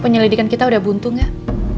penyelidikan kita udah buntu gak